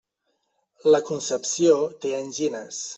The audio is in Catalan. La Concepció té angines.